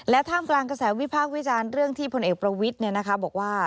ท่ามกลางกระแสวิพากษ์วิจารณ์เรื่องที่พลเอกประวิทย์บอกว่า